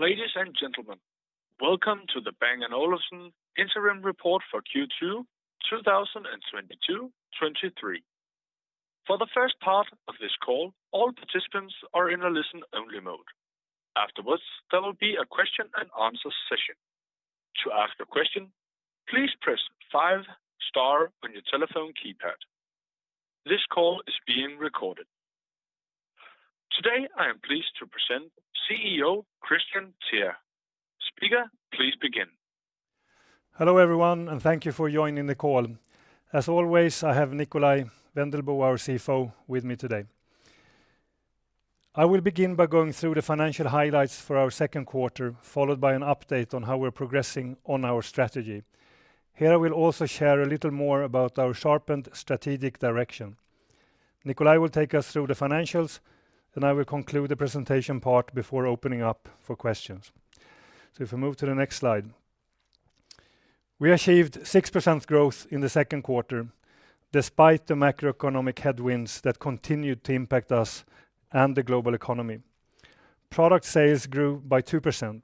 Ladies and gentlemen, welcome to the Bang & Olufsen Interim Report for Q2 2022-23. For the first part of this call, all participants are in a listen only mode. Afterwards, there will be a question and answer session. To ask a question, please press five star on your telephone keypad. This call is being recorded. Today, I am pleased to present CEO Kristian Teär. Speaker, please begin. Hello, everyone, thank you for joining the call. As always, I have Nikolaj Wendelboe, our CFO, with me today. I will begin by going through the financial highlights for our second quarter, followed by an update on how we're progressing on our strategy. Here, I will also share a little more about our sharpened strategic direction. Nikolaj will take us through the financials, and I will conclude the presentation part before opening up for questions. If we move to the next slide. We achieved 6% growth in the second quarter, despite the macroeconomic headwinds that continued to impact us and the global economy. Product sales grew by 2%.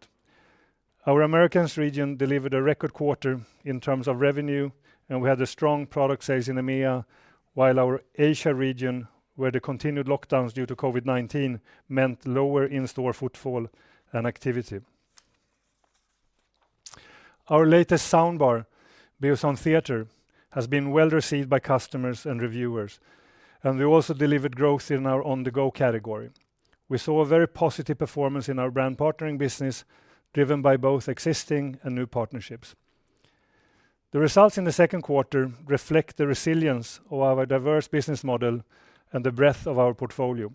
Our Americas region delivered a record quarter in terms of revenue, and we had a strong product sales in EMEA, while our Asia region, where the continued lockdowns due to COVID-19, meant lower in-store footfall and activity. Our latest soundbar, Beosound Theatre, has been well-received by customers and reviewers, and we also delivered growth in our On-the-go category. We saw a very positive performance in our brand partnering business, driven by both existing and new partnerships. The results in the second quarter reflect the resilience of our diverse business model and the breadth of our portfolio.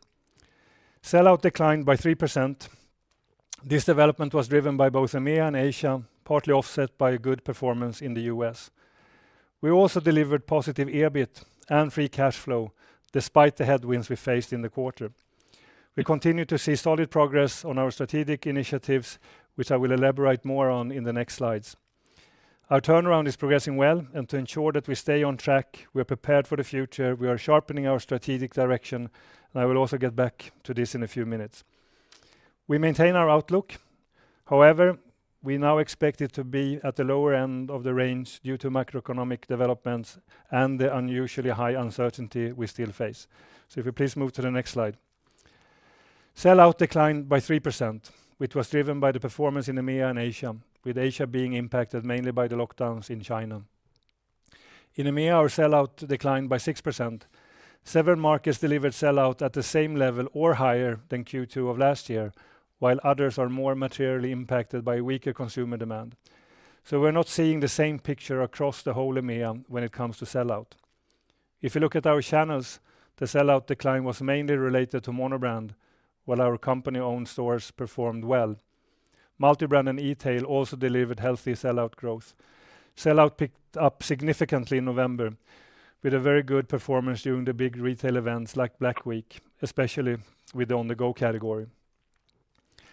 Sellout declined by 3%. This development was driven by both EMEA and Asia, partly offset by a good performance in the U.S. We also delivered positive EBIT and free cash flow despite the headwinds we faced in the quarter. We continue to see solid progress on our strategic initiatives, which I will elaborate more on in the next slides. Our turnaround is progressing well, and to ensure that we stay on track, we are prepared for the future, we are sharpening our strategic direction, and I will also get back to this in a few minutes. We maintain our outlook. However, we now expect it to be at the lower end of the range due to macroeconomic developments and the unusually high uncertainty we still face. If we please move to the next slide. Sellout declined by 3%, which was driven by the performance in EMEA and Asia, with Asia being impacted mainly by the lockdowns in China. In EMEA, our sellout declined by 6%. Several markets delivered sellout at the same level or higher than Q2 of last year, while others are more materially impacted by weaker consumer demand. We're not seeing the same picture across the whole EMEA when it comes to sellout. If you look at our channels, the sellout decline was mainly related to monobrand, while our company-owned stores performed well. Multibrand and e-tail also delivered healthy sellout growth. Sellout picked up significantly in November with a very good performance during the big retail events like Black Week, especially with the On-the-go category.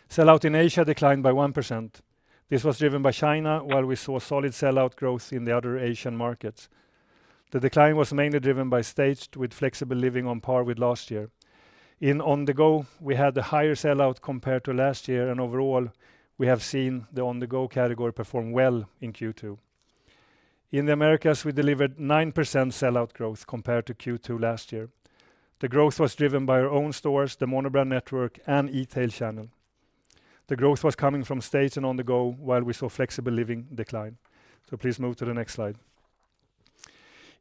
Sellout in Asia declined by 1%. This was driven by China, while we saw solid sellout growth in the other Asian markets. The decline was mainly driven by Staged with Flexible Living on par with last year. In On-the-go, we had the higher sellout compared to last year, and overall, we have seen the On-the-go category perform well in Q2. In the Americas, we delivered 9% sellout growth compared to Q2 last year. The growth was driven by our own stores, the monobrand network, and e-tail channel. The growth was coming from Staged and On-the-go, while we saw Flexible Living decline. Please move to the next slide.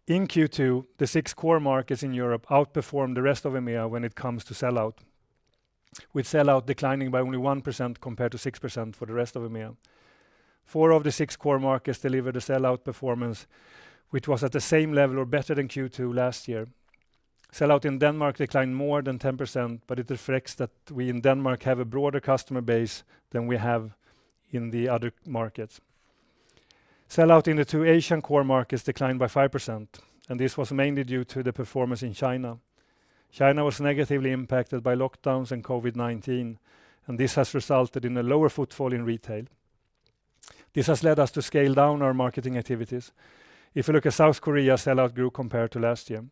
In Q2, the six core markets in Europe outperformed the rest of EMEA when it comes to sellout, with sellout declining by only 1% compared to 6% for the rest of EMEA. Four of the six core markets delivered a sellout performance, which was at the same level or better than Q2 last year. Sellout in Denmark declined more than 10%, but it reflects that we in Denmark have a broader customer base than we have in the other markets. Sellout in the two Asian core markets declined by 5%, and this was mainly due to the performance in China. China was negatively impacted by lockdowns and COVID-19, and this has resulted in a lower footfall in retail. This has led us to scale down our marketing activities. If you look at South Korea, sellout grew compared to last year.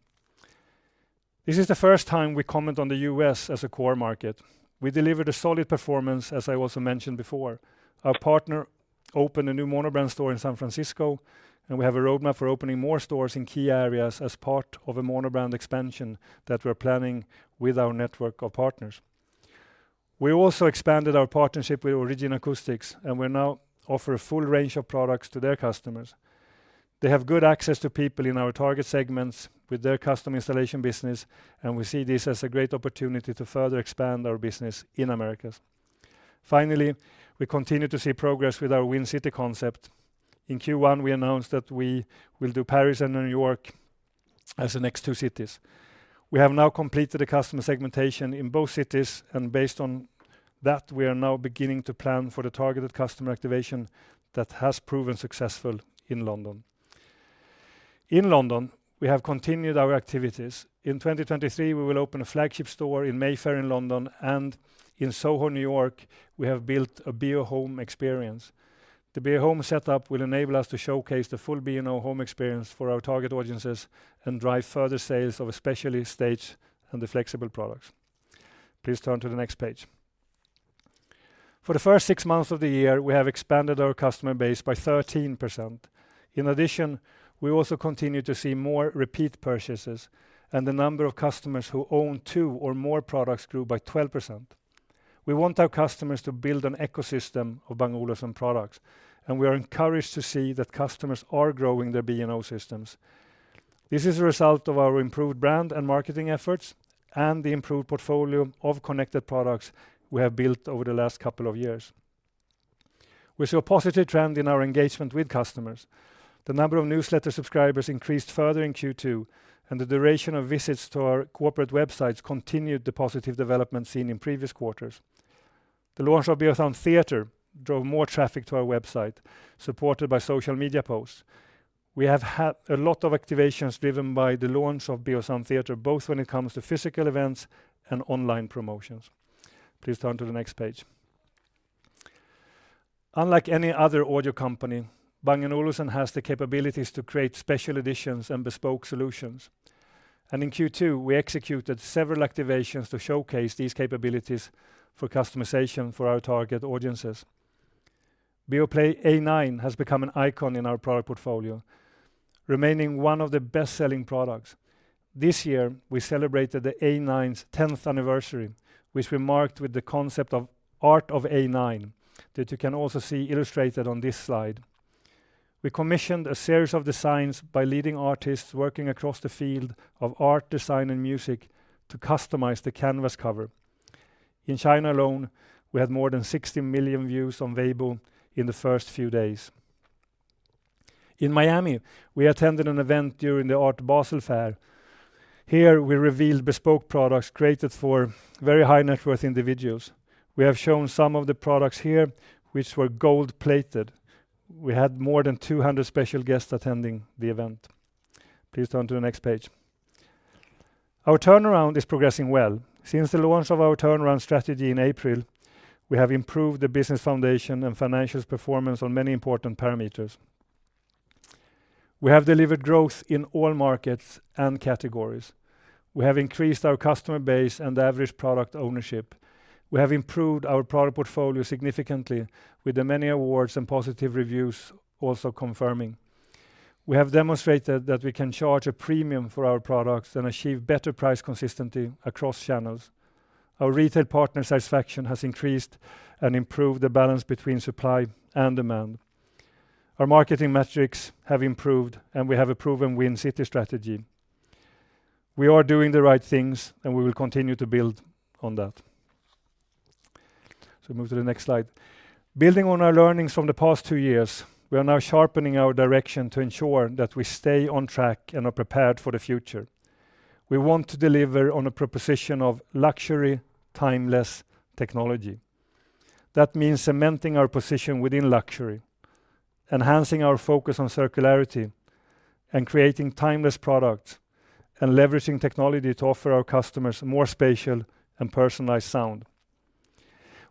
This is the first time we comment on the U.S. as a core market. We delivered a solid performance, as I also mentioned before. Our partner opened a new monobrand store in San Francisco. We have a roadmap for opening more stores in key areas as part of a monobrand expansion that we're planning with our network of partners. We also expanded our partnership with Origin Acoustics, and we now offer a full range of products to their customers. They have good access to people in our target segments with their custom installation business, and we see this as a great opportunity to further expand our business in Americas. Finally, we continue to see progress with our Win City concept. In Q1, we announced that we will do Paris and New York as the next two cities. We have now completed a customer segmentation in both cities, and based on that, we are now beginning to plan for the targeted customer activation that has proven successful in London. In London, we have continued our activities. In 2023, we will open a flagship store in Mayfair in London, and in Soho, New York, we have built a BeoHome experience. The BeoHome setup will enable us to showcase the full B&O home experience for our target audiences and drive further sales of especially Staged and the Flexible products. Please turn to the next page. For the first six months of the year, we have expanded our customer base by 13%. We also continue to see more repeat purchases and the number of customers who own two or more products grew by 12%. We want our customers to build an ecosystem of Bang & Olufsen products. We are encouraged to see that customers are growing their B&O systems. This is a result of our improved brand and marketing efforts and the improved portfolio of connected products we have built over the last couple of years. We saw a positive trend in our engagement with customers. The number of newsletter subscribers increased further in Q2. The duration of visits to our corporate websites continued the positive development seen in previous quarters. The launch of Beosound Theatre drove more traffic to our website, supported by social media posts. We have had a lot of activations driven by the launch of Beosound Theatre, both when it comes to physical events and online promotions. Please turn to the next page. Unlike any other audio company, Bang & Olufsen has the capabilities to create special editions and bespoke solutions. In Q2, we executed several activations to showcase these capabilities for customization for our target audiences. Beoplay A9 has become an icon in our product portfolio, remaining one of the best-selling products. This year, we celebrated the A9's 10th anniversary, which we marked with the concept of Art of A9 that you can also see illustrated on this slide. We commissioned a series of designs by leading artists working across the field of art, design, and music to customize the canvas cover. In China alone, we had more than 60 million views on Weibo in the first few days. In Miami, we attended an event during the Art Basel Fair. Here, we revealed bespoke products created for very high-net-worth individuals. We have shown some of the products here which were gold-plated. We had more than 200 special guests attending the event. Please turn to the next page. Our turnaround is progressing well. Since the launch of our turnaround strategy in April, we have improved the business foundation and financial performance on many important parameters. We have delivered growth in all markets and categories. We have increased our customer base and the average product ownership. We have improved our product portfolio significantly with the many awards and positive reviews also confirming. We have demonstrated that we can charge a premium for our products and achieve better price consistency across channels. Our retail partner satisfaction has increased and improved the balance between supply and demand. Our marketing metrics have improved, and we have a proven Win City strategy. We are doing the right things, and we will continue to build on that. Move to the next slide. Building on our learnings from the past two years, we are now sharpening our direction to ensure that we stay on track and are prepared for the future. We want to deliver on a proposition of luxury, timeless technology. That means cementing our position within luxury, enhancing our focus on circularity, and creating timeless products, and leveraging technology to offer our customers more spatial and personalized sound.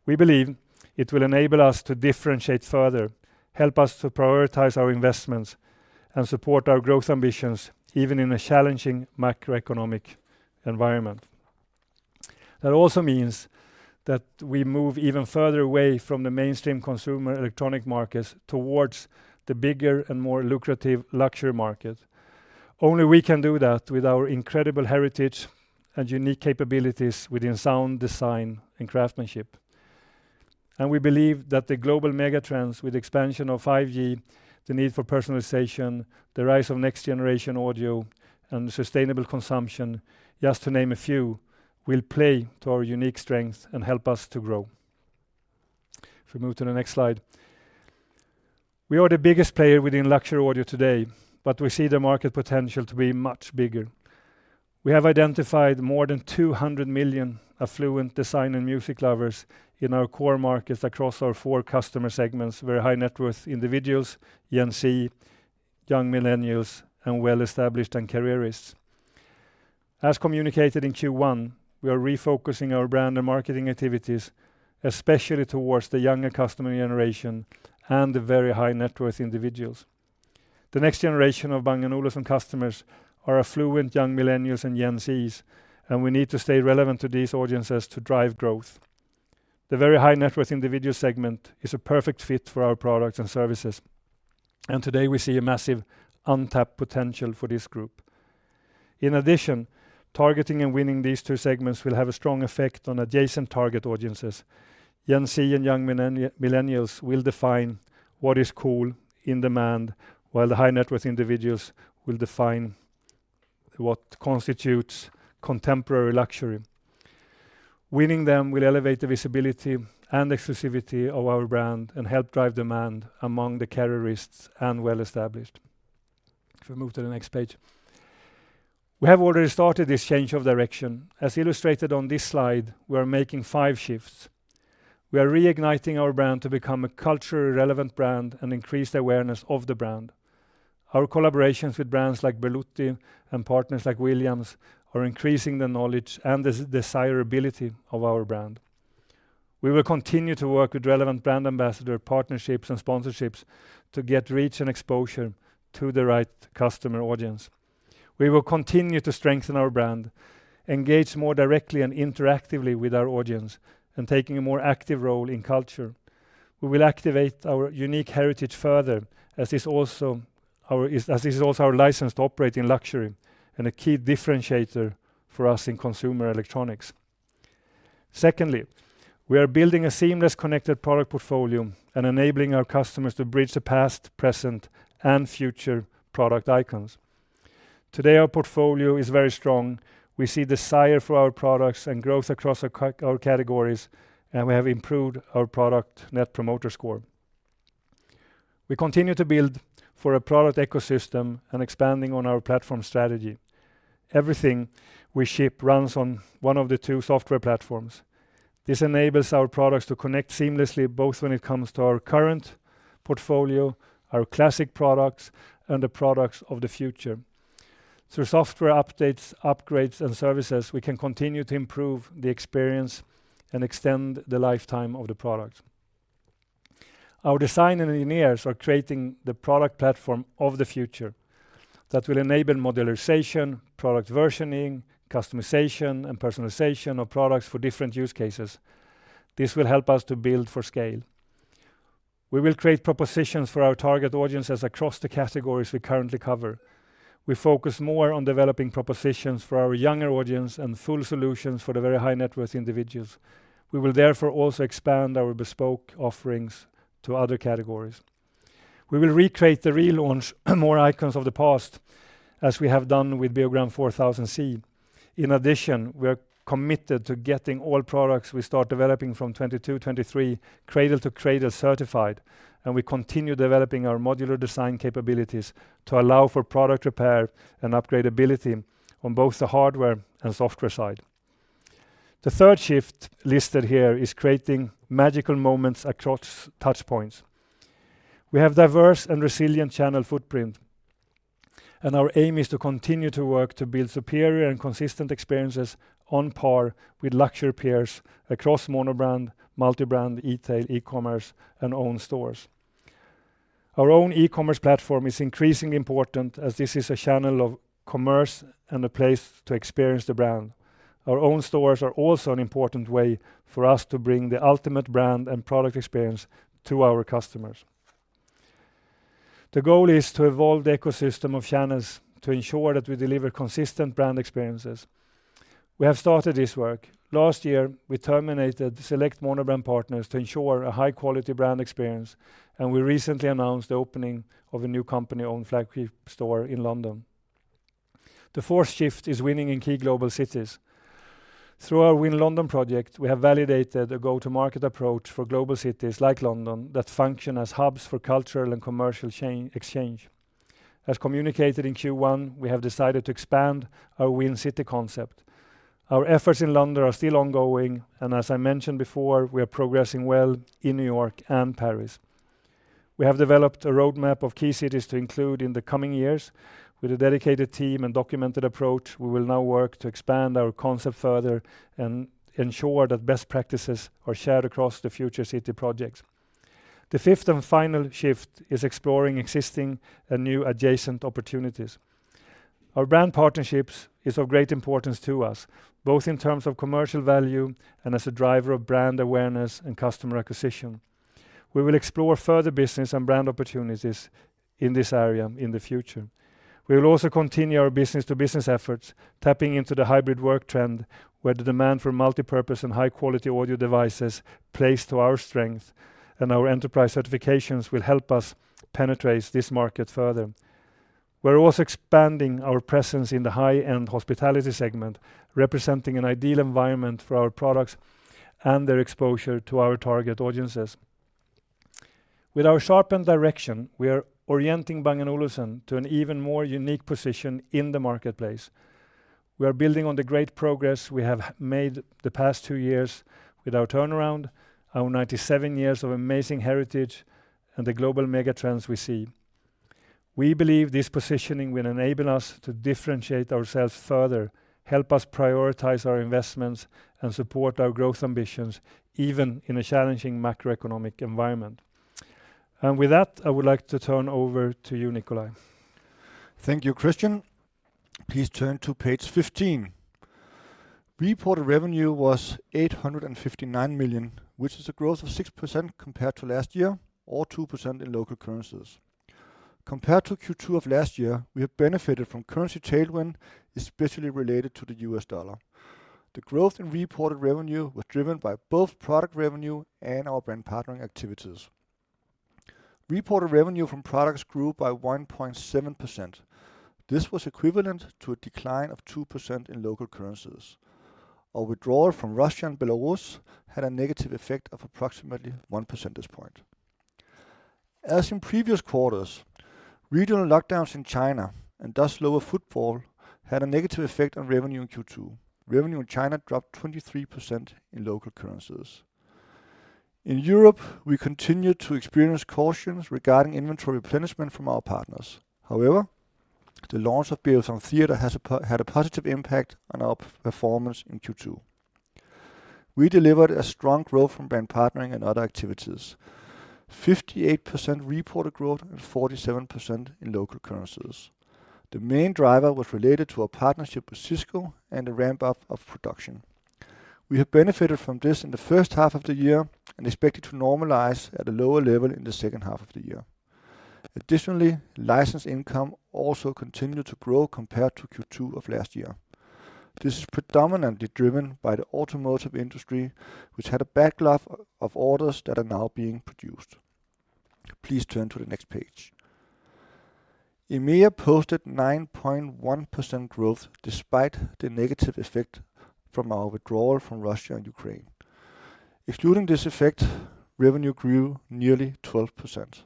We believe it will enable us to differentiate further, help us to prioritize our investments, and support our growth ambitions, even in a challenging macroeconomic environment. That also means that we move even further away from the mainstream consumer electronic markets towards the bigger and more lucrative luxury market. Only we can do that with our incredible heritage and unique capabilities within sound design and craftsmanship. We believe that the global mega trends with expansion of 5G, the need for personalization, the rise of next-generation audio, and sustainable consumption, just to name a few, will play to our unique strengths and help us to grow. If we move to the next slide. We are the biggest player within luxury audio today, but we see the market potential to be much bigger. We have identified more than 200 million affluent design and music lovers in our core markets across our four customer segments, very high-net-worth individuals, Gen Z, young millennials, and well-established and careerists. As communicated in Q1, we are refocusing our brand and marketing activities, especially towards the younger customer generation and the very high-net-worth individuals. The next generation of Bang & Olufsen customers are affluent young millennials and Gen Zs, and we need to stay relevant to these audiences to drive growth. The very high-net-worth individual segment is a perfect fit for our products and services, and today, we see a massive untapped potential for this group. In addition, targeting and winning these two segments will have a strong effect on adjacent target audiences. Gen Z and young millennials will define what is cool, in demand, while the high-net-worth individuals will define what constitutes contemporary luxury. Winning them will elevate the visibility and exclusivity of our brand and help drive demand among the careerists and well-established. If we move to the next page. We have already started this change of direction. As illustrated on this slide, we are making five shifts. We are reigniting our brand to become a culturally relevant brand and increase the awareness of the brand. Our collaborations with brands like Berluti and partners like Williams are increasing the knowledge and desirability of our brand. We will continue to work with relevant brand ambassador partnerships and sponsorships to get reach and exposure to the right customer audience. We will continue to strengthen our brand, engage more directly and interactively with our audience, and taking a more active role in culture. We will activate our unique heritage further as is also our license to operate in luxury and a key differentiator for us in consumer electronics. Secondly, we are building a seamless connected product portfolio and enabling our customers to bridge the past, present, and future product icons. Today, our portfolio is very strong. We see desire for our products and growth across our categories. We have improved our product Net Promoter Score. We continue to build for a product ecosystem and expanding on our platform strategy. Everything we ship runs on one of the two software platforms. This enables our products to connect seamlessly, both when it comes to our current portfolio, our classic products, and the products of the future. Through software updates, upgrades, and services, we can continue to improve the experience and extend the lifetime of the product. Our design engineers are creating the product platform of the future that will enable modularization, product versioning, customization, and personalization of products for different use cases. This will help us to build for scale. We will create propositions for our target audiences across the categories we currently cover. We focus more on developing propositions for our younger audience and full solutions for the very high-net-worth individuals. We will therefore also expand our bespoke offerings to other categories. We will recreate the relaunch more icons of the past as we have done with Beogram 4000c. In addition, we are committed to getting all products we start developing from 2022, 2023, Cradle to Cradle certified, and we continue developing our modular design capabilities to allow for product repair and upgradeability on both the hardware and software side. The third shift listed here is creating magical moments across touchpoints. We have diverse and resilient channel footprint, and our aim is to continue to work to build superior and consistent experiences on par with luxury peers across monobrand, multibrand, e-tail, e-commerce, and owned stores. Our own e-commerce platform is increasingly important as this is a channel of commerce and a place to experience the brand. Our own stores are also an important way for us to bring the ultimate brand and product experience to our customers. The goal is to evolve the ecosystem of channels to ensure that we deliver consistent brand experiences. We have started this work. Last year, we terminated select monobrand partners to ensure a high-quality brand experience, and we recently announced the opening of a new company-owned flagship store in London. The fourth shift is winning in key global cities. Through our Win London project, we have validated a go-to-market approach for global cities like London that function as hubs for cultural and commercial exchange. As communicated in Q1, we have decided to expand our Win City concept. Our efforts in London are still ongoing, and as I mentioned before, we are progressing well in New York and Paris. We have developed a roadmap of key cities to include in the coming years. With a dedicated team and documented approach, we will now work to expand our concept further and ensure that best practices are shared across the future city projects. The fifth and final shift is exploring existing and new adjacent opportunities. Our brand partnerships is of great importance to us, both in terms of commercial value and as a driver of brand awareness and customer acquisition. We will explore further business and brand opportunities in this area in the future. We will also continue our business-to-business efforts, tapping into the hybrid work trend, where the demand for multipurpose and high-quality audio devices plays to our strength, and our enterprise certifications will help us penetrate this market further. We're also expanding our presence in the high-end hospitality segment, representing an ideal environment for our products and their exposure to our target audiences. With our sharpened direction, we are orienting Bang & Olufsen to an even more unique position in the marketplace. We are building on the great progress we have made the past two years with our turnaround, our 97 years of amazing heritage, and the global mega-trends we see. We believe this positioning will enable us to differentiate ourselves further, help us prioritize our investments, and support our growth ambitions, even in a challenging macroeconomic environment. With that, I would like to turn over to you, Nikolaj. Thank you, Kristian. Please turn to page 15. Reported revenue was 859 million, which is a growth of 6% compared to last year or 2% in local currencies. Compared to Q2 of last year, we have benefited from currency tailwind, especially related to the US dollar. The growth in reported revenue was driven by both product revenue and our brand partnering activities. Reported revenue from products grew by 1.7%. This was equivalent to a decline of 2% in local currencies. Our withdrawal from Russia and Belarus had a negative effect of approximately 1 percentage point. As in previous quarters, regional lockdowns in China, and thus lower footfall, had a negative effect on revenue in Q2. Revenue in China dropped 23% in local currencies. In Europe, we continued to experience cautions regarding inventory replenishment from our partners. The launch of Beosound Theatre had a positive impact on our performance in Q2. We delivered a strong growth from brand partnering and other activities. 58% reported growth and 47% in local currencies. The main driver was related to our partnership with Cisco and the ramp-up of production. We have benefited from this in the first half of the year and expect it to normalize at a lower level in the second half of the year. Additionally, license income also continued to grow compared to Q2 of last year. This is predominantly driven by the automotive industry, which had a backlog of orders that are now being produced. Please turn to the next page. EMEA posted 9.1% growth despite the negative effect from our withdrawal from Russia and Ukraine. Excluding this effect, revenue grew nearly 12%.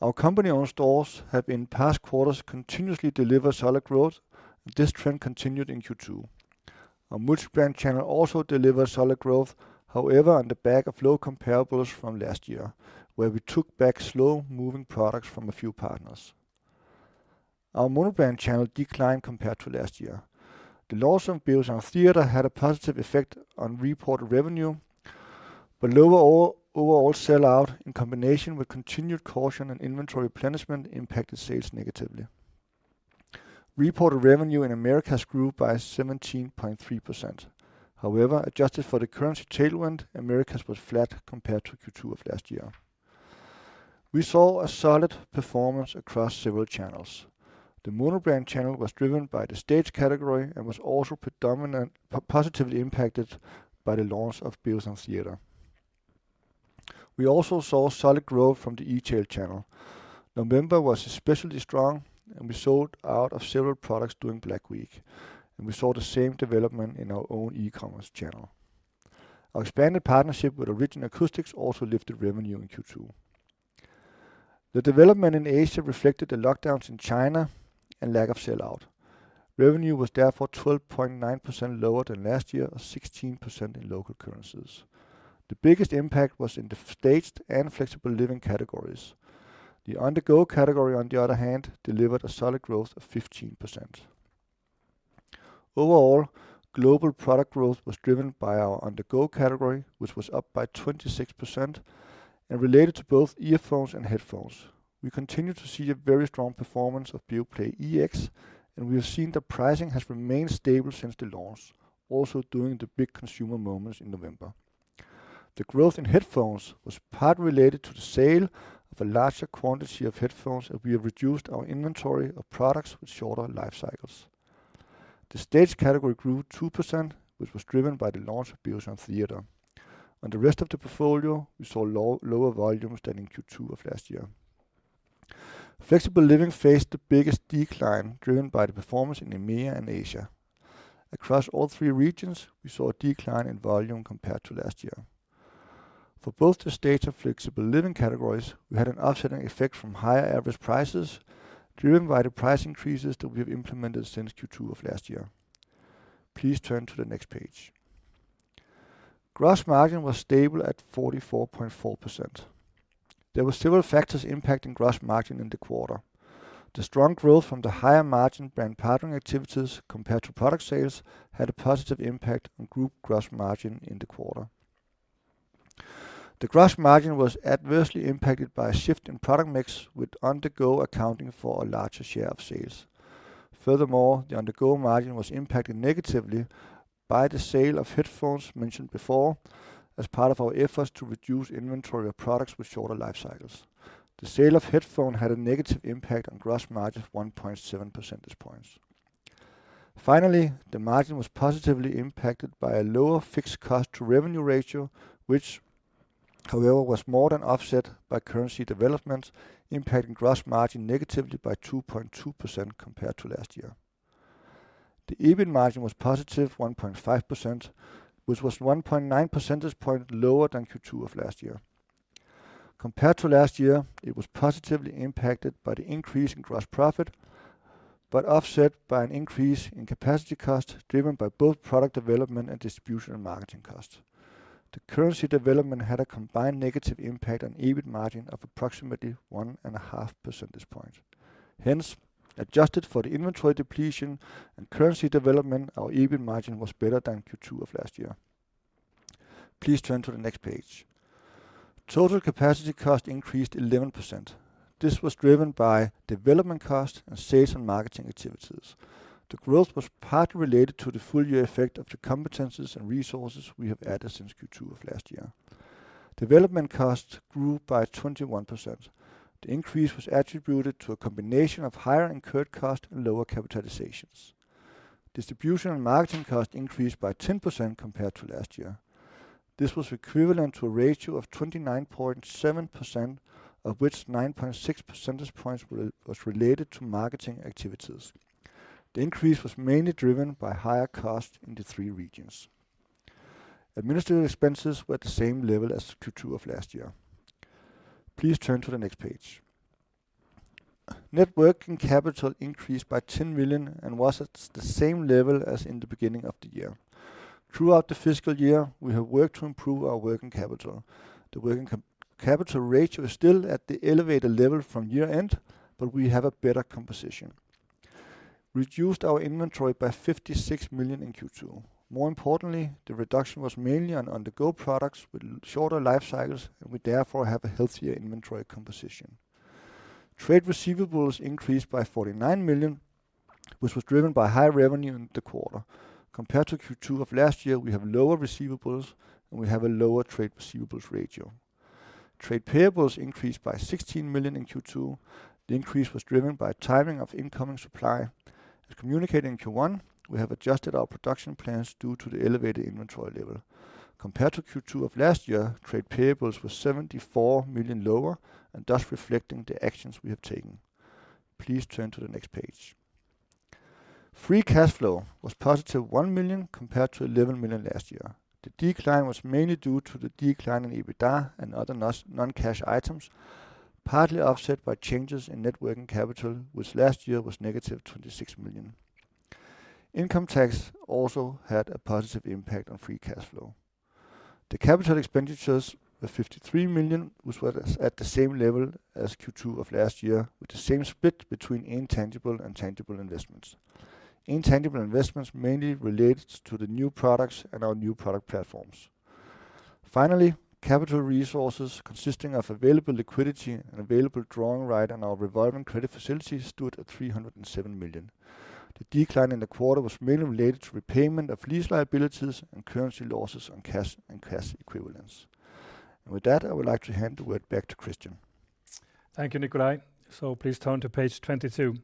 Our company-owned stores have in past quarters continuously delivered solid growth, and this trend continued in Q2. Our multibrand channel also delivered solid growth, however, on the back of low comparables from last year, where we took back slow-moving products from a few partners. Our monobrand channel declined compared to last year. The loss of Beosound Theatre had a positive effect on reported revenue, but lower overall sell out in combination with continued caution and inventory replenishment impacted sales negatively. Reported revenue in Americas grew by 17.3%. However, adjusted for the currency tailwind, Americas was flat compared to Q2 of last year. We saw a solid performance across several channels. The monobrand channel was driven by the Staged category and was also positively impacted by the launch of Beosound Theatre. We also saw solid growth from the e-tail channel. November was especially strong. We sold out of several products during Black Week, and we saw the same development in our own e-commerce channel. Our expanded partnership with Origin Acoustics also lifted revenue in Q2. The development in Asia reflected the lockdowns in China and lack of sellout. Revenue was therefore 12.9% lower than last year, or 16% in local currencies. The biggest impact was in the Staged and Flexible Living categories. The On-the-go category, on the other hand, delivered a solid growth of 15%. Overall, global product growth was driven by our On-the-go category, which was up by 26% and related to both earphones and headphones. We continue to see a very strong performance of Beoplay EX. We have seen that pricing has remained stable since the launch, also during the big consumer moments in November. The growth in headphones was partly related to the sale of a larger quantity of headphones, and we have reduced our inventory of products with shorter life cycles. The Staged category grew 2%, which was driven by the launch of Beosound Theatre. On the rest of the portfolio, we saw lower volumes than in Q2 of last year. Flexible Living faced the biggest decline, driven by the performance in EMEA and Asia. Across all three regions, we saw a decline in volume compared to last year. For both the Staged and Flexible Living categories, we had an offsetting effect from higher average prices, driven by the price increases that we have implemented since Q2 of last year. Please turn to the next page. Gross margin was stable at 44.4%. There were several factors impacting gross margin in the quarter. The strong growth from the higher margin brand partnering activities compared to product sales had a positive impact on group gross margin in the quarter. The gross margin was adversely impacted by a shift in product mix, with On-the-go accounting for a larger share of sales. Furthermore, the On-the-go margin was impacted negatively by the sale of headphones mentioned before as part of our efforts to reduce inventory of products with shorter life cycles. The sale of headphone had a negative impact on gross margin of 1.7 percentage points. Finally, the margin was positively impacted by a lower fixed cost to revenue ratio, which, however, was more than offset by currency developments impacting gross margin negatively by 2.2% compared to last year. The EBIT margin was positive 1.5%, which was 1.9 percentage point lower than Q2 of last year. Compared to last year, it was positively impacted by the increase in gross profit, but offset by an increase in capacity costs driven by both product development and distribution and marketing costs. The currency development had a combined negative impact on EBIT margin of approximately 1.5 percentage points. Adjusted for the inventory depletion and currency development, our EBIT margin was better than Q2 of last year. Please turn to the next page. Total capacity cost increased 11%. This was driven by development costs and sales and marketing activities. The growth was partly related to the full year effect of the competencies and resources we have added since Q2 of last year. Development costs grew by 21%. The increase was attributed to a combination of higher incurred costs and lower capitalizations. Distribution and marketing costs increased by 10% compared to last year. This was equivalent to a ratio of 29.7%, of which 9.6 percentage points was related to marketing activities. The increase was mainly driven by higher costs in the three regions. Administrative expenses were at the same level as Q2 of last year. Please turn to the next page. Net working capital increased by 10 million and was at the same level as in the beginning of the year. Throughout the fiscal year, we have worked to improve our working capital. The working capital ratio is still at the elevated level from year-end, but we have a better composition. Reduced our inventory by 56 million in Q2. More importantly, the reduction was mainly on On-the-go products with shorter life cycles and we therefore have a healthier inventory composition. Trade receivables increased by 49 million, which was driven by high revenue in the quarter. Compared to Q2 of last year, we have lower receivables, and we have a lower trade receivables ratio. Trade payables increased by 16 million in Q2. The increase was driven by timing of incoming supply. As communicated in Q1, we have adjusted our production plans due to the elevated inventory level. Compared to Q2 of last year, trade payables were 74 million lower and thus reflecting the actions we have taken. Please turn to the next page. Free cash flow was positive 1 million compared to 11 million last year. The decline was mainly due to the decline in EBITDA and other non-cash items, partly offset by changes in net working capital, which last year was -26 million. Income tax also had a positive impact on free cash flow. The capital expenditures were 53 million, which was at the same level as Q2 of last year, with the same split between intangible and tangible investments. Intangible investments mainly related to the new products and our new product platforms. Finally, capital resources consisting of available liquidity and available drawing right on our revolving credit facilities stood at 307 million. The decline in the quarter was mainly related to repayment of lease liabilities and currency losses on cash and cash equivalents. With that, I would like to hand the word back to Kristian. Thank you, Nikolaj. Please turn to page 22.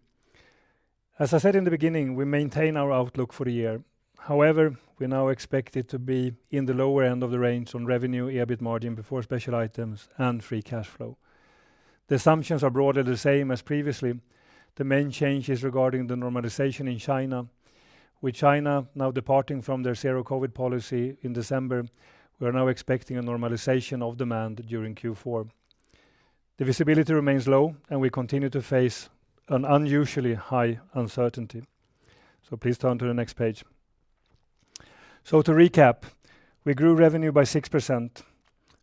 As I said in the beginning, we maintain our outlook for the year. However, we now expect it to be in the lower end of the range on revenue, EBIT margin before special items and free cash flow. The assumptions are broadly the same as previously. The main change is regarding the normalization in China. With China now departing from their zero COVID-19 policy in December, we are now expecting a normalization of demand during Q4. The visibility remains low, and we continue to face an unusually high uncertainty. Please turn to the next page. To recap, we grew revenue by 6%.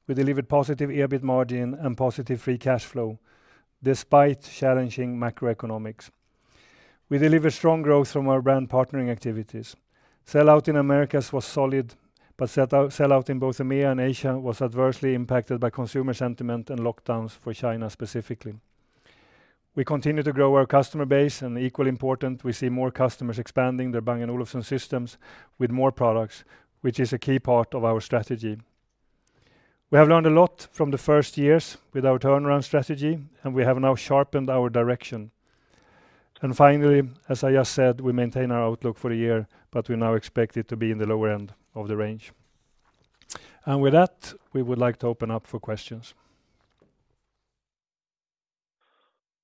We delivered positive EBIT margin and positive free cash flow despite challenging macroeconomics. We delivered strong growth from our brand partnering activities. Sellout in Americas was solid, but sellout in both EMEA and Asia was adversely impacted by consumer sentiment and lockdowns for China specifically. We continue to grow our customer base, and equally important, we see more customers expanding their Bang & Olufsen systems with more products, which is a key part of our strategy. We have learned a lot from the first years with our turnaround strategy, and we have now sharpened our direction. Finally, as I just said, we maintain our outlook for the year, but we now expect it to be in the lower end of the range. With that, we would like to open up for questions.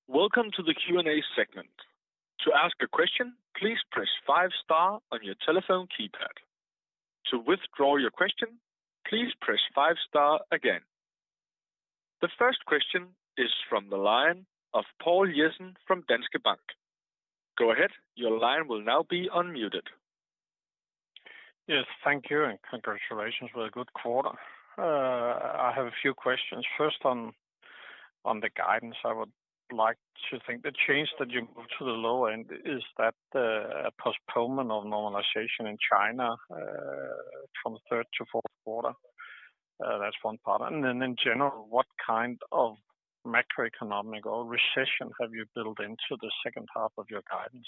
Welcome to the Q&A segment. To ask a question, please press five star on your telephone keypad. To withdraw your question, please press five star again. The first question is from the line of Poul Jessen from Danske Bank. Go ahead, your line will now be unmuted. Yes, thank you, and congratulations with a good quarter. I have a few questions. First on the guidance, I would like to think the change that you moved to the low end, is that a postponement of normalization in China from third to fourth quarter? That's one part. Then in general, what kind of macroeconomic or recession have you built into the second half of your guidance?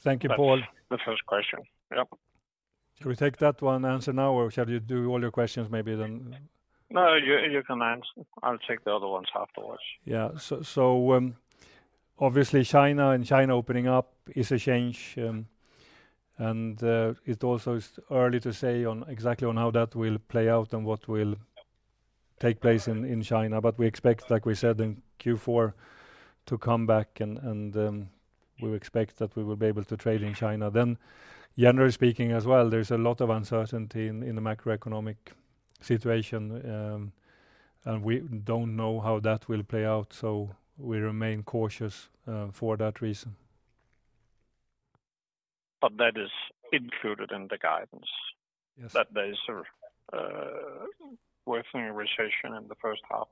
Thank you, Poul. That's the first question. Yep. Should we take that one answer now, or shall you do all your questions maybe then? No, you can answer. I'll take the other ones afterwards. Obviously China and China opening up is a change, and it also is early to say on exactly on how that will play out and what will take place in China. We expect, like we said, in Q4 to come back and we expect that we will be able to trade in China. Generally speaking as well, there's a lot of uncertainty in the macroeconomic situation, and we don't know how that will play out, so we remain cautious for that reason. That is included in the guidance? Yes. That there is a worsening recession in the first half-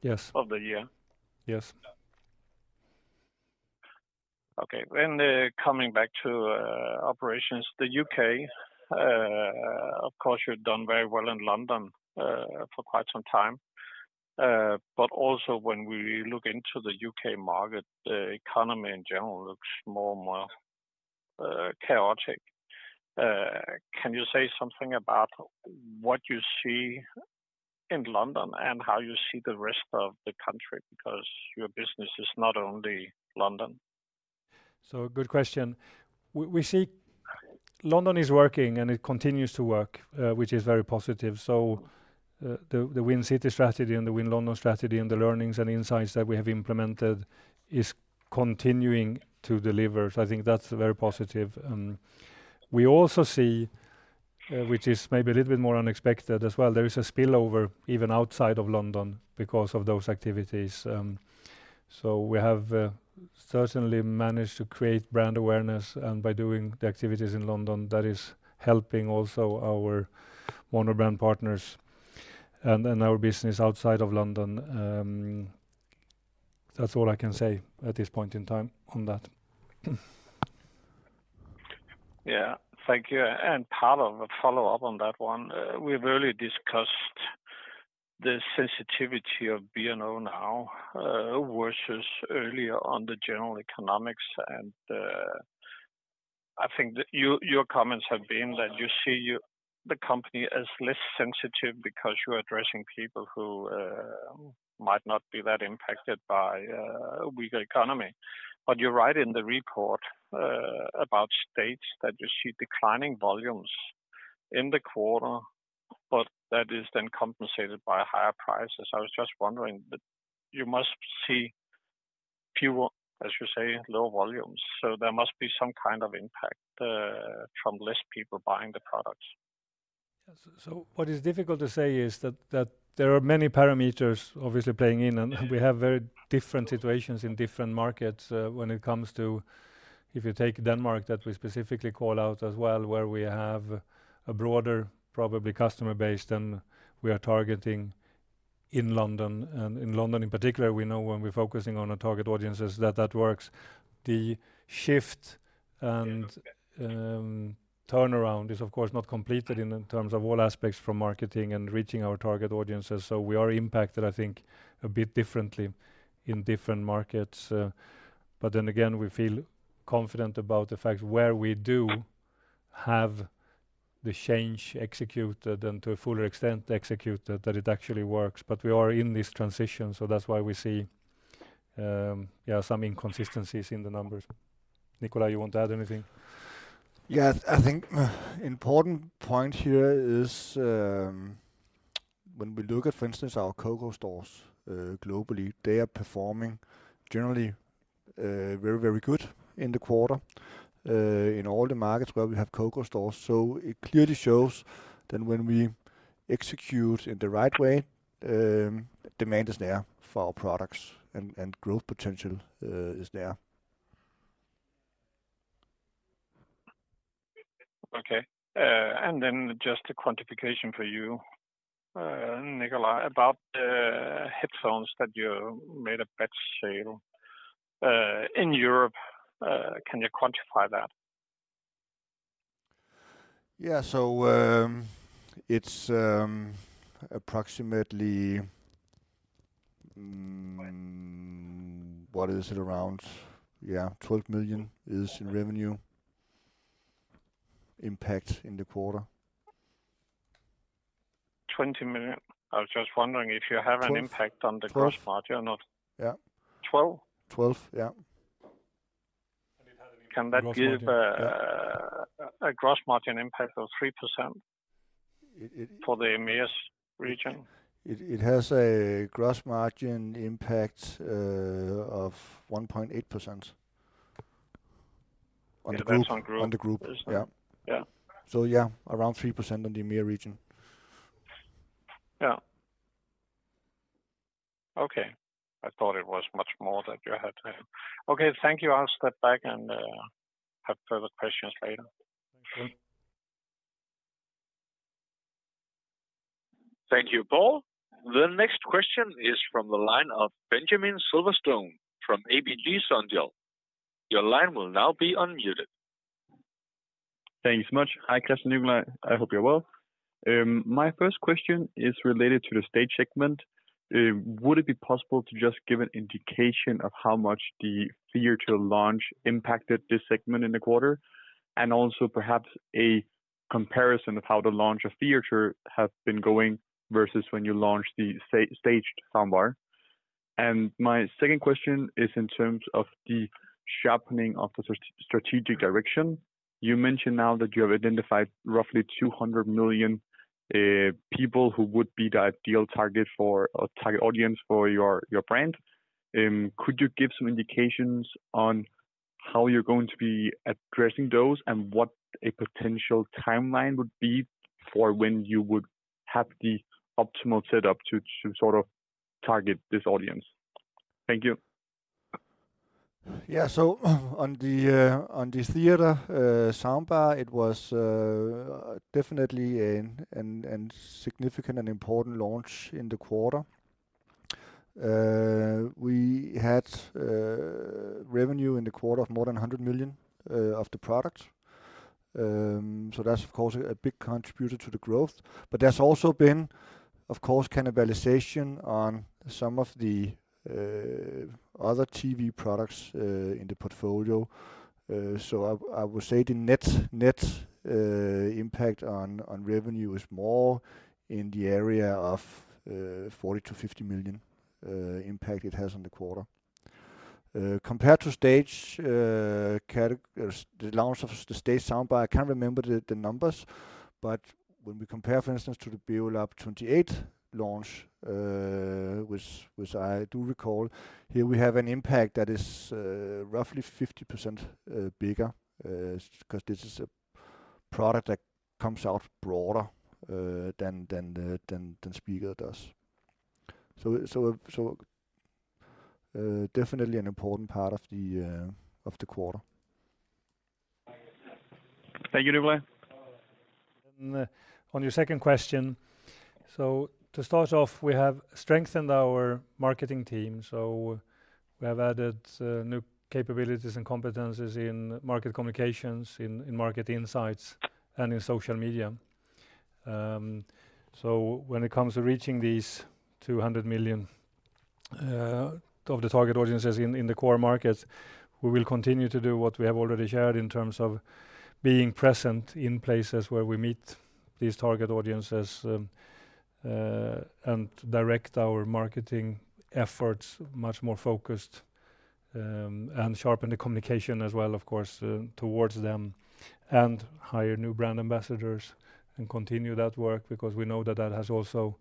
Yes Of the year? Yes. Okay. coming back to operations. The U.K., of course, you've done very well in London for quite some time. When we look into the U.K. market, the economy in general looks more and more chaotic. Can you say something about what you see in London and how you see the rest of the country? Because your business is not only London. Good question. We see London is working and it continues to work, which is very positive. The Win City strategy and the Win London strategy and the learnings and insights that we have implemented is continuing to deliver. I think that's very positive. We also see, which is maybe a little bit more unexpected as well, there is a spillover even outside of London because of those activities. We have certainly managed to create brand awareness, and by doing the activities in London, that is helping also our monobrand partners and our business outside of London. That's all I can say at this point in time on that. Yeah. Thank you. Part of a follow-up on that one. We've already discussed the sensitivity of B&O now versus earlier on the general economics. I think that your comments have been that you see the company as less sensitive because you're addressing people who might not be that impacted by weaker economy. You write in the report about states that you see declining volumes in the quarter, that is then compensated by higher prices. I was just wondering that you must see fewer, as you say, low volumes, so there must be some kind of impact from less people buying the products. Yes. What is difficult to say is that there are many parameters obviously playing in, and we have very different situations in different markets when it comes to. If you take Denmark, that we specifically call out as well, where we have a broader probably customer base than we are targeting in London. In London in particular, we know when we're focusing on our target audiences that that works. The shift and turnaround is of course not completed in terms of all aspects from marketing and reaching our target audiences. We are impacted, I think, a bit differently in different markets. Then again, we feel confident about the fact where we do have the change executed and to a fuller extent executed that it actually works. We are in this transition, so that's why we see, yeah, some inconsistencies in the numbers. Nikolaj, you want to add anything? Yeah. I think important point here is, when we look at, for instance, our COCO stores, globally, they are performing generally, very, very good in the quarter, in all the markets where we have COCO stores. It clearly shows that when we execute in the right way, demand is there for our products and growth potential, is there. Okay. Then just a quantification for you, Nikolaj, about the headphones that you made a batch sale in Europe. Can you quantify that? Yeah. It's approximately, what is it? Around, yeah, 12 million is in revenue impact in the quarter. 20 million. Twelve. on the gross margin or not? Yeah. Twelve? 12. Yeah. Can that give... Gross margin. Yeah. A gross margin impact of 3%. It, it- -for the EMEA region? It has a gross margin impact of 1.8%. It depends on group. On the group. On the group. Yeah. Yeah. yeah, around 3% on the EMEA region. Yeah. Okay. I thought it was much more that you had. Okay. Thank you. I'll step back and have further questions later. Thank you. Thank you, Poul. The next question is from the line of Benjamin Silverstone from ABG Sundal. Your line will now be unmuted. Thanks much. Hi, Kristian and Nikolaj. I hope you're well. My first question is related to the Staged segment. Would it be possible to just give an indication of how much the Beosound Theatre launch impacted this segment in the quarter? Also perhaps a comparison of how the launch of Beosound Theatre have been going versus when you launched the Beosound Stage soundbar. My second question is in terms of the sharpening of the strategic direction. You mentioned now that you have identified roughly 200 million people who would be the ideal target for a target audience for your brand. Could you give some indications on how you're going to be addressing those and what a potential timeline would be for when you would have the optimal setup to sort of target this audience? Thank you. Yeah. On the Theatre soundbar, it was definitely a significant and important launch in the quarter. We had revenue in the quarter of more than 100 million of the product. That's of course a big contributor to the growth. There's also been, of course, cannibalization on some of the other TV products in the portfolio. I would say the net impact on revenue is more in the area of 40 million- 50 million impact it has on the quarter. Compared to Stage, or the launch of the Stage soundbar, I can't remember the numbers, but when we compare for instance to the Beolab 28 launch, which I do recall, here we have an impact that is roughly 50% bigger, 'cause this is aProduct that comes out broader than speaker does. Definitely an important part of the quarter. Thank you, Nikolaj. On your second question. To start off, we have strengthened our marketing team. We have added new capabilities and competencies in market communications, in market insights, and in social media. When it comes to reaching these 200 million of the target audiences in the core markets, we will continue to do what we have already shared in terms of being present in places where we meet these target audiences, and direct our marketing efforts much more focused, and sharpen the communication as well of course, towards them. Hire new brand ambassadors and continue that work because we know that that has also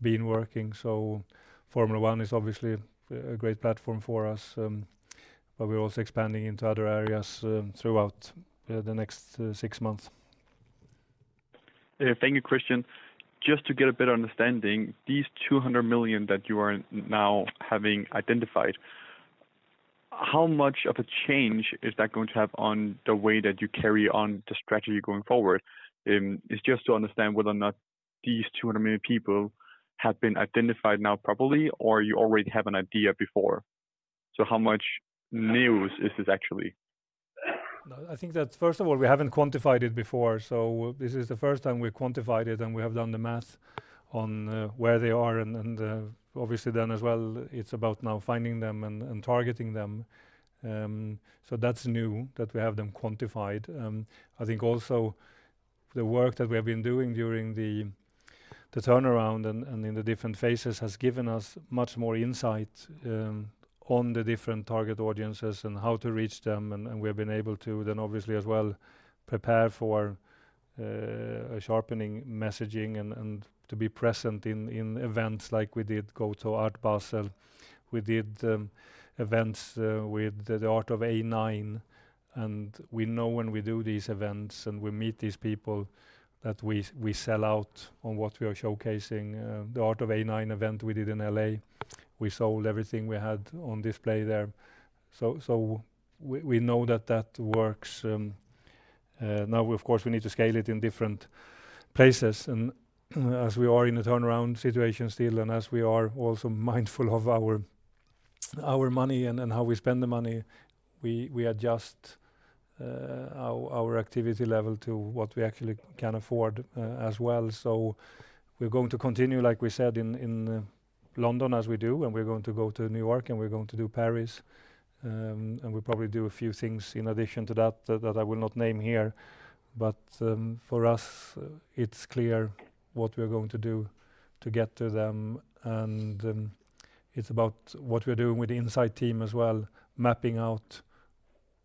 been working. Formula 1 is obviously a great platform for us, but we're also expanding into other areas throughout the next six months. Yeah. Thank you, Kristian. Just to get a better understanding, these 200 million that you are now having identified, how much of a change is that going to have on the way that you carry on the strategy going forward? It's just to understand whether or not these 200 million people have been identified now properly or you already have an idea before. How much news is this actually? I think that first of all, we haven't quantified it before, so this is the first time we quantified it, and we have done the math on where they are. Obviously then as well, it's about now finding them and targeting them. That's new that we have them quantified. I think also the work that we have been doing during the turnaround and in the different phases has given us much more insight on the different target audiences and how to reach them. We have been able to then obviously as well prepare for a sharpening messaging and to be present in events like we did go to Art Basel. We did events with the Art of A9, we know when we do these events and we meet these people that we sell out on what we are showcasing. The Art of A9 event we did in L.A., we sold everything we had on display there. So we know that that works. Now of course we need to scale it in different places as we are in a turnaround situation still, as we are also mindful of our money and how we spend the money, we adjust our activity level to what we actually can afford as well. We're going to continue, like we said, in London as we do, we're going to go to New York, we're going to do Paris. We'll probably do a few things in addition to that I will not name here. For us, it's clear what we are going to do to get to them. It's about what we're doing with the insight team as well, mapping out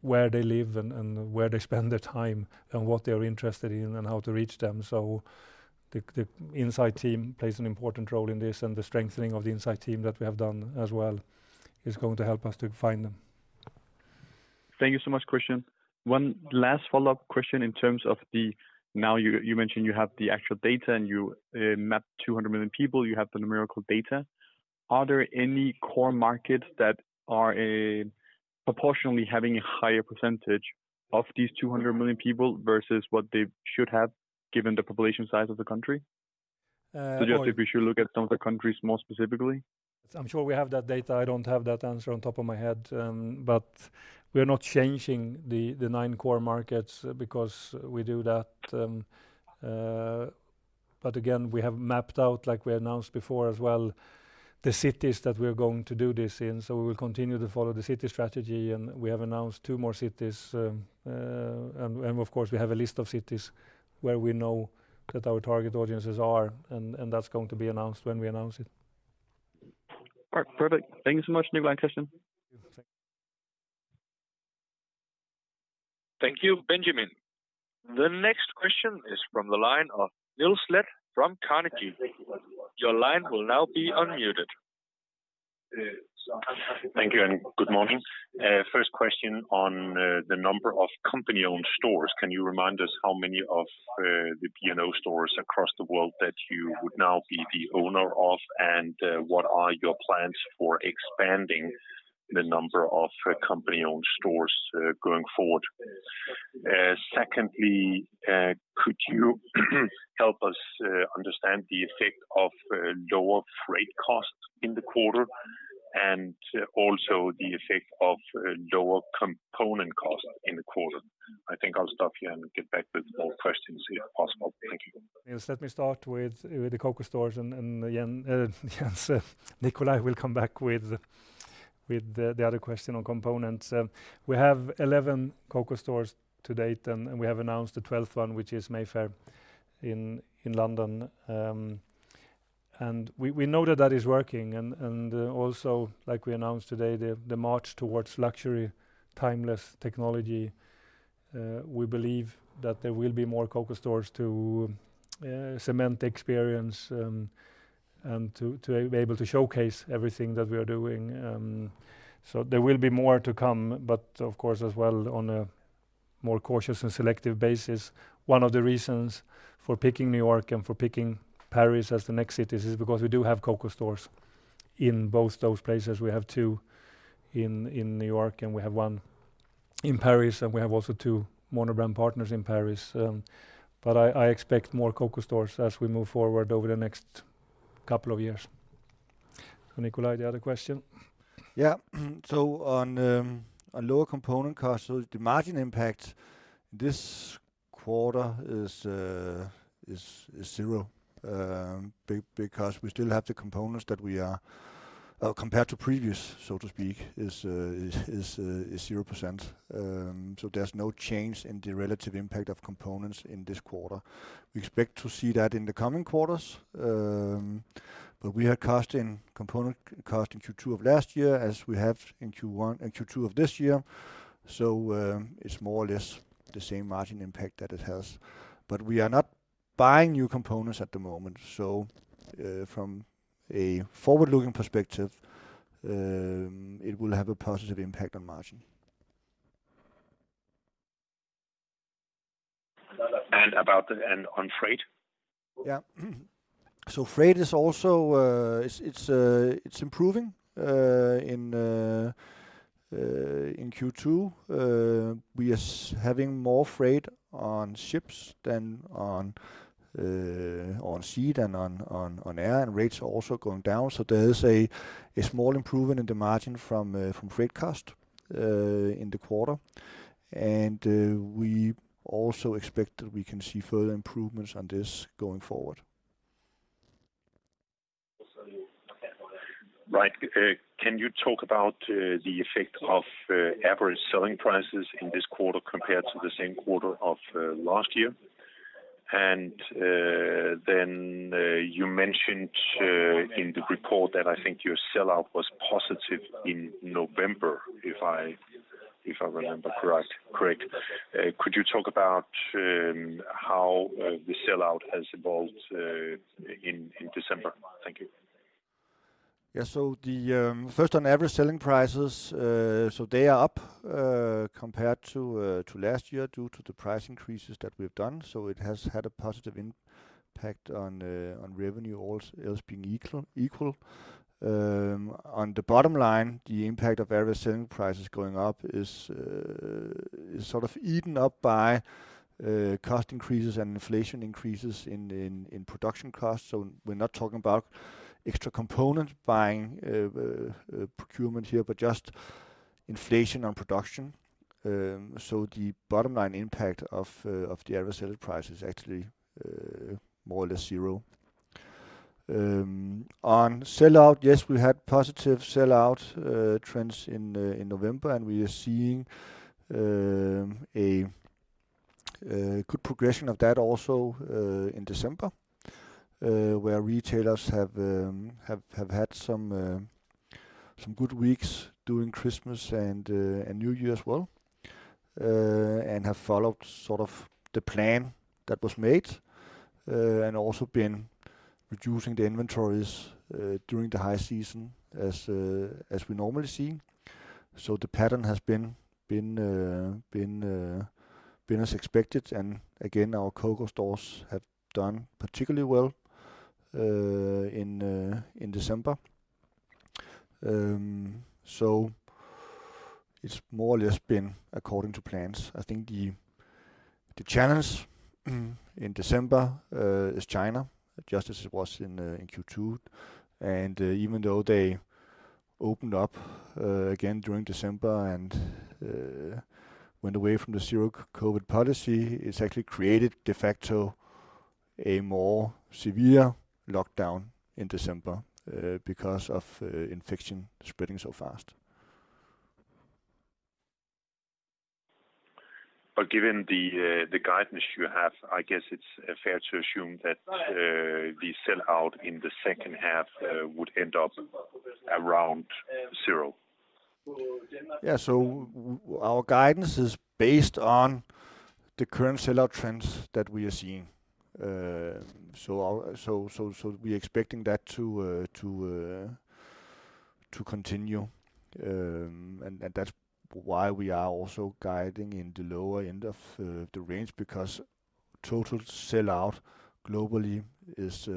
where they live and where they spend their time and what they're interested in and how to reach them. The insight team plays an important role in this, and the strengthening of the insight team that we have done as well is going to help us to find them. Thank you so much, Kristian. One last follow-up question in terms of Now you mentioned you have the actual data and you mapped 200 million people, you have the numerical data. Are there any core markets that are proportionally having a higher % of these 200 million people versus what they should have given the population size of the country? Uh- Just if you should look at some of the countries more specifically. I'm sure we have that data. I don't have that answer on top of my head. We are not changing the nine core markets because we do that. Again, we have mapped out, like we announced before as well, the cities that we are going to do this in. We will continue to follow the city strategy, and we have announced two more cities. Of course we have a list of cities where we know that our target audiences are, and that's going to be announced when we announce it. All right. Perfect. Thank you so much Nikolaj, Kristian. Thank you. Thank you, Benjamin. The next question is from the line of Niels Granholm-Leth from Carnegie. Your line will now be unmuted. Thank you and good morning. First question on the number of company-owned stores. Can you remind us how many of the B&O stores across the world that you would now be the owner of? What are your plans for expanding the number of company-owned stores going forward? Secondly, could you help us understand the effect of lower freight costs in the quarter and also the effect of lower component cost in the quarter? I think I'll stop here and get back with more questions if possible. Thank you. Niels, let me start with the COCO stores and again, yes, Nikolaj will come back with the other question on components. We have 11 COCO stores to date and we have announced the 12th one, which is Mayfair in London. We know that that is working and also like we announced today, the march towards luxury, timeless technology, we believe that there will be more COCO stores to cement the experience to be able to showcase everything that we are doing. There will be more to come, but of course, as well, on a more cautious and selective basis. One of the reasons for picking New York and for picking Paris as the next cities is because we do have COCO stores in both those places. We have two in New York, we have one in Paris, we have also two monobrand partners in Paris. I expect more COCO stores as we move forward over the next couple of years. Nikolaj, the other question? Yeah. On lower component costs, the margin impact this quarter is zero, because we still have the components that we are... Compared to previous, so to speak, is 0%. There's no change in the relative impact of components in this quarter. We expect to see that in the coming quarters, we have cost in component cost in Q2 of last year, as we have in Q1 and Q2 of this year. It's more or less the same margin impact that it has. We are not buying new components at the moment. From a forward-looking perspective, it will have a positive impact on margin. About the. On freight? Yeah. Freight is also, it's improving. In Q2, we are having more freight on ships than on sea than on air, and rates are also going down. There is a small improvement in the margin from freight cost in the quarter. We also expect that we can see further improvements on this going forward. Right. Can you talk about the effect of average selling prices in this quarter compared to the same quarter of last year? Then you mentioned in the report that I think your sellout was positive in November, if I remember correct. Could you talk about how the sellout has evolved in December? Thank you. The first on average selling prices, they are up compared to last year due to the price increases that we've done. It has had a positive impact on revenue, all else being equal. On the bottom line, the impact of average selling prices going up is sort of eaten up by cost increases and inflation increases in production costs. We're not talking about extra component buying procurement here, but just inflation on production. The bottom line impact of the average selling price is actually more or less zero. On sellout, yes, we had positive sellout trends in November. We are seeing a good progression of that also in December, where retailers have had some good weeks during Christmas and New Year as well, and have followed sort of the plan that was made, and also been reducing the inventories during the high season as we normally see. The pattern has been as expected and again our COCO stores have done particularly well in December. It's more or less been according to plans. I think the challenge in December is China, just as it was in Q2. Even though they opened up again during December and went away from the zero COVID-19 policy, it's actually created de facto a more severe lockdown in December because of infection spreading so fast. Given the guidance you have, I guess it's fair to assume that the sellout in the second half would end up around zero. Yeah. Our guidance is based on the current sellout trends that we are seeing. We're expecting that to continue. That's why we are also guiding in the lower end of the range because total sellout globally is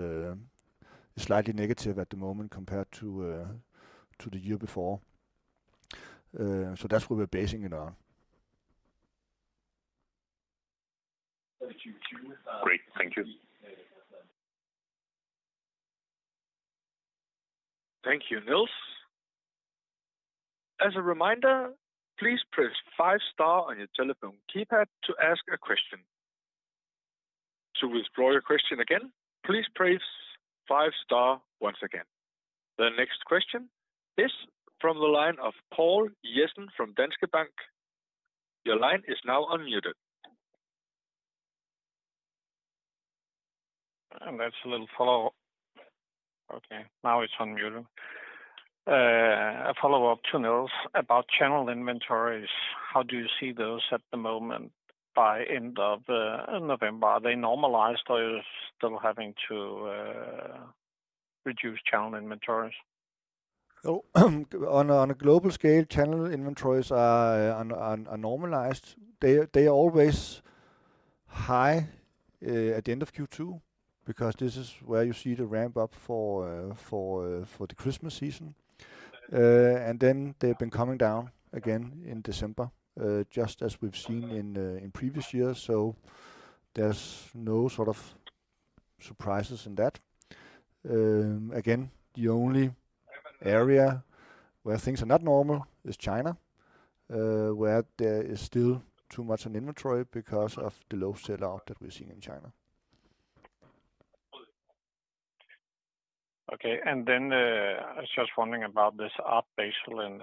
slightly negative at the moment compared to the year before. That's what we're basing it on. Great. Thank you. Thank you, Niels. As a reminder, please press five star on your telephone keypad to ask a question. To withdraw your question again, please press five star once again. The next question is from the line of Poul Jessen from Danske Bank. Your line is now unmuted. That's a little follow-up. Okay, now it's unmuted. A follow-up to Niels about channel inventories. How do you see those at the moment by end of November? Are they normalized, or you're still having to reduce channel inventories? On a global scale, channel inventories are normalized. They are always high at the end of Q2 because this is where you see the ramp up for the Christmas season. They've been coming down again in December just as we've seen in previous years. There's no sort of surprises in that. Again, the only area where things are not normal is China, where there is still too much in inventory because of the low sellout that we're seeing in China. Okay, I was just wondering about this Art Basel in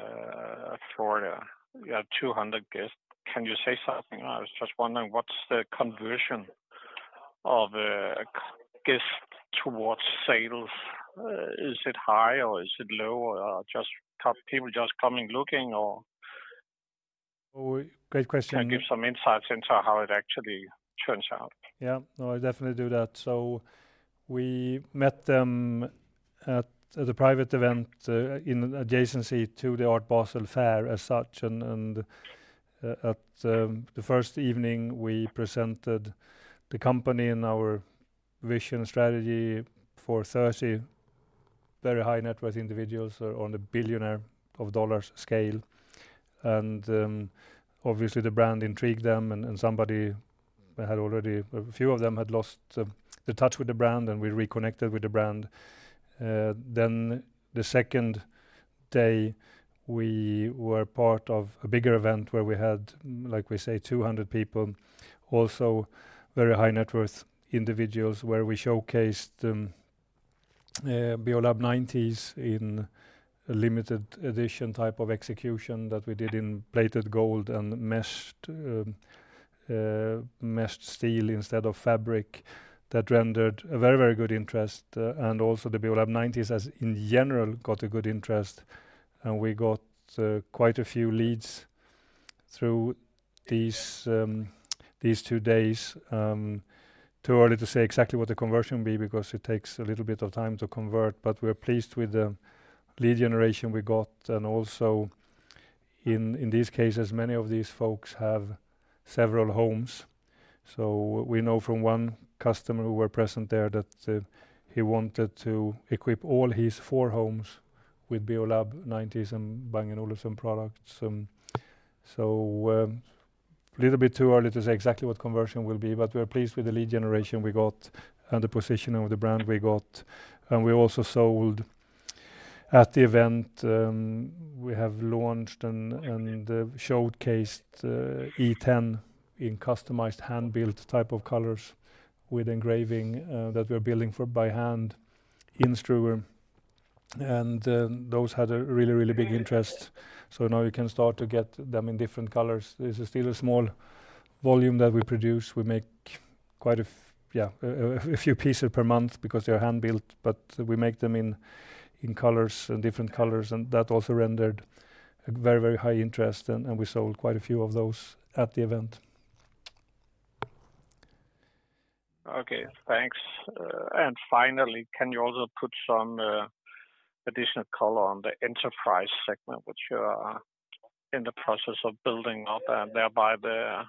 Florida. You had 200 guests. Can you say something? I was just wondering what's the conversion of guests towards sales? Is it high or is it low? Or are people just coming, looking or? Great question. Can you give some insights into how it actually turns out? Yeah. No, I'll definitely do that. We met them at a private event, in adjacency to the Art Basel Fair as such and, the first evening, we presented the company and our vision, strategy for 30 very high net worth individuals or on the billionaire of dollars scale. Obviously, the brand intrigued them and somebody had already... A few of them had lost the touch with the brand, and we reconnected with the brand. The second day, we were part of a bigger event where we had, like we say, 200 people, also very high net worth individuals, where we showcased, Beolab 90s in a limited edition type of execution that we did in plated gold and meshed steel instead of fabric that rendered a very, very good interest. Also the Beolab 90s has, in general, got a good interest, and we got quite a few leads through these these two days. Too early to say exactly what the conversion will be because it takes a little bit of time to convert, but we're pleased with the lead generation we got. Also in these cases, many of these folks have several homes. So we know from one customer who were present there that he wanted to equip all his four homes with Beolab 90s and Bang & Olufsen products. So little bit too early to say exactly what conversion will be, but we're pleased with the lead generation we got and the positioning of the brand we got. We also sold at the event, we have launched and in the... Showcased E10 in customized hand-built type of colors with engraving that we're building for by hand in Struer. Those had a really big interest, so now we can start to get them in different colors. This is still a small volume that we produce. We make quite a few pieces per month because they are hand-built, but we make them in colors and different colors, and that also rendered a very high interest and we sold quite a few of those at the event. Okay, thanks. Finally, can you also put some additional color on the enterprise segment, which you are in the process of building up, and thereby the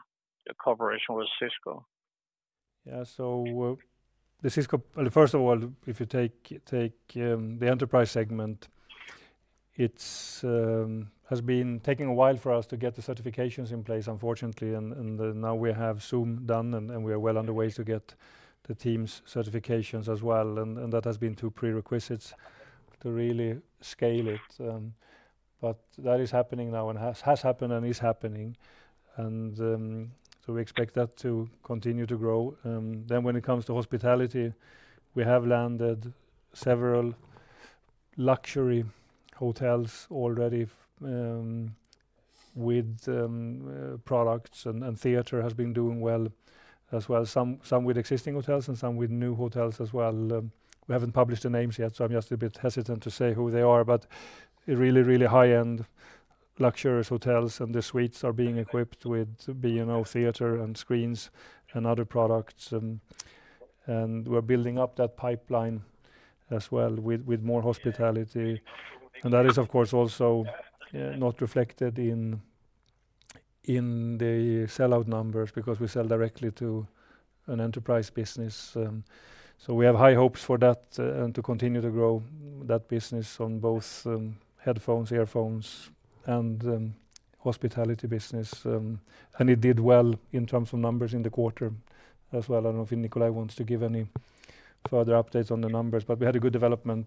cooperation with Cisco? Yeah. The Cisco... Well, first of all, if you take the enterprise segment, it's has been taking a while for us to get the certifications in place, unfortunately. Now we have Zoom done and we are well on the way to get the Teams certifications as well. That has been two prerequisites to really scale it. That is happening now and has happened and is happening. We expect that to continue to grow. When it comes to hospitality, we have landed several luxury hotels already with products and Beosound Theatre has been doing well as well, some with existing hotels and some with new hotels as well. We haven't published the names yet, I'm just a bit hesitant to say who they are. Really, really high-end luxurious hotels and the suites are being equipped with B&O Theatre and screens and other products. We're building up that pipeline as well with more hospitality. That is, of course, also not reflected in the sellout numbers because we sell directly to an enterprise business. We have high hopes for that and to continue to grow that business on both headphones, earphones and hospitality business. It did well in terms of numbers in the quarter as well. I don't know if Nikolaj wants to give any further updates on the numbers, but we had a good development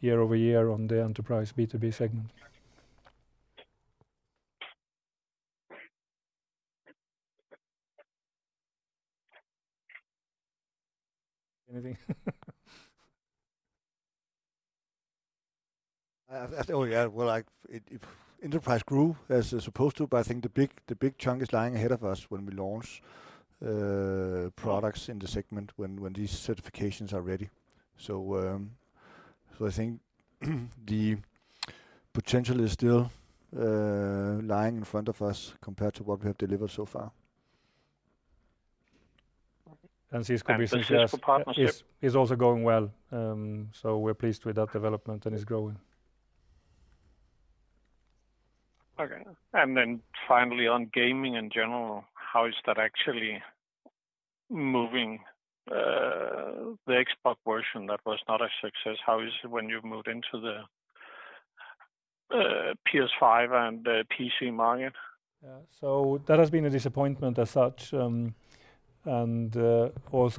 year-over-year on the enterprise B2B segment. Anything? Well, yeah. Enterprise grew as it's supposed to, but I think the big chunk is lying ahead of us when we launch products in the segment when these certifications are ready. I think the potential is still lying in front of us compared to what we have delivered so far. Cisco business- The Cisco partnership. Is also going well. We're pleased with that development, and it's growing. Okay. Then finally, on gaming in general, how is that actually moving, the Xbox version that was not a success? How is it when you've moved into the PS5 and the PC market? Yeah. That has been a disappointment as such. Also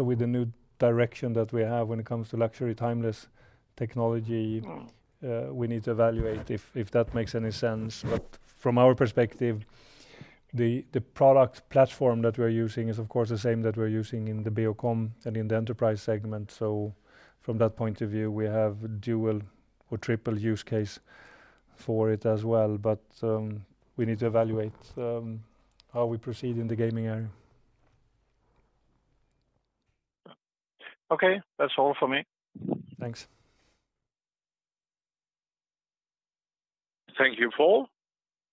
with the new direction that we have when it comes to luxury, timeless technology- Mm We need to evaluate if that makes any sense. From our perspective, the product platform that we're using is of course the same that we're using in the Beocom and in the enterprise segment. From that point of view, we have dual or triple use case for it as well. We need to evaluate how we proceed in the gaming area. Okay. That's all for me. Thanks. Thank you, Poul.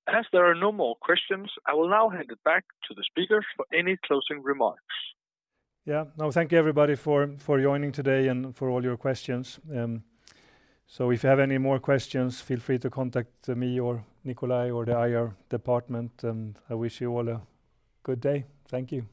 As there are no more questions, I will now hand it back to the speakers for any closing remarks. Yeah. No, thank you, everybody, for joining today and for all your questions. If you have any more questions, feel free to contact me or Nikolaj or the IR department. I wish you all a good day. Thank you.